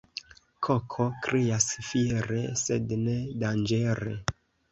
Koko krias fiere, sed ne danĝere.